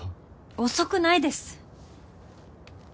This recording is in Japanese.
遅くないです。